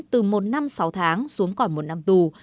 từ một năm sáu tháng xuống còn một năm tù